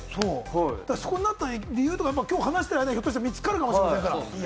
そうなった理由とか、今話してる間にひょっとしたら見つかるかもしれない。